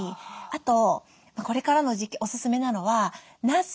あとこれからの時期おすすめなのはなす